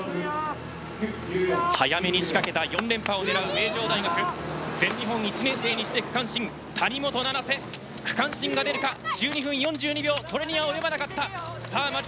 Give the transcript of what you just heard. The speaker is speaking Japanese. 早めに仕掛けた４連覇を狙う名城大学、全日本を１年生にして区間新谷本七星区間新が出るか１２分４２秒これにはおよばなかった。